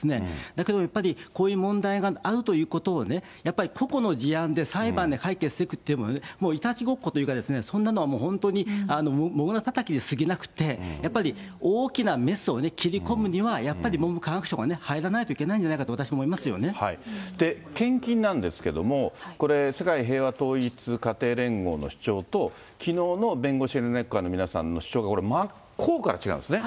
だけどやっぱり、こういう問題があるということを、やっぱりここの事案で裁判で解決していくということは、もういたちごっこというか、そんなのはもう本当にもぐらたたきにすぎなくて、やっぱり大きなメスを切り込むには、やっぱり文部科学省が入らないといけないんじゃないかと、私、思献金なんですけれども、これ世界平和統一家庭連合の主張と、きのうの弁護士連絡会の皆さんの主張が全く違うんですね。